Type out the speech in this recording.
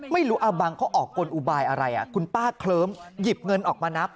ไม่รู้อาบังเขาออกกลอุบายอะไรคุณป้าเคลิ้มหยิบเงินออกมานับ